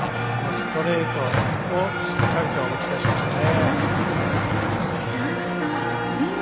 ストレートをしっかりと打ち返しましたね。